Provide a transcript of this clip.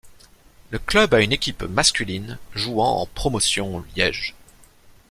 Le club a une équipe masculine jouant en Promotion Liège.